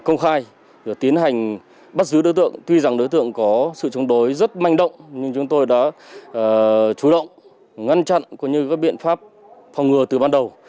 chúng tôi đã công khai tiến hành bắt giữ đối tượng tuy rằng đối tượng có sự chống đối rất manh động nhưng chúng tôi đã chú động ngăn chặn cũng như các biện pháp phòng ngừa từ ban đầu